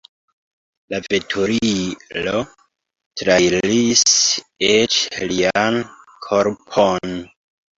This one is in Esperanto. La veturilo trairis eĉ lian korpon.